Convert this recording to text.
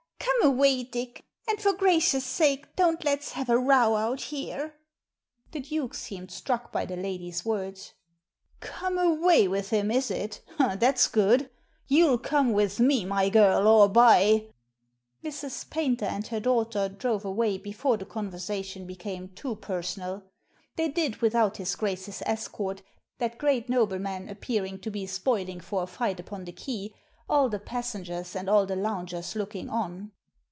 "Come away, Dick, and for gracious sake don't let's have a row out here." The Duke seemed struck by the lady's words. " Come away with him, is it ? That's good. You'll come with me, my girl, or by " Mrs. Paynter and her daughter drove away before the conversation became too personal. They did without his Grace's escort, that great nobleman appearing to be " spoiling " for a fight upon the quay, all the passengers and all the loungers looking on.